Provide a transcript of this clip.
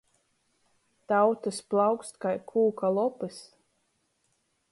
Tautys plaukst kai kūka lopys.